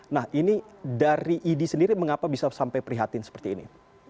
nah ini dari idi sendiri mengapa bisa sampai prihatin seperti ini